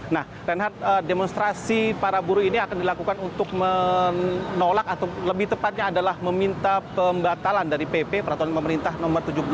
nah reinhardt demonstrasi para buruh ini akan dilakukan untuk menolak atau lebih tepatnya adalah meminta pembatalan dari pp peraturan pemerintah nomor tujuh belas